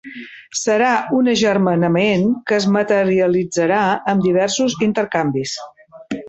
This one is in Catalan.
Serà un agermanament que es materialitzarà amb diversos intercanvis.